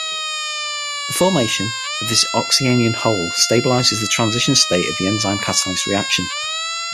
The formation of this oxyanion hole stabilizes the transition state of the enzyme-catalyzed reaction.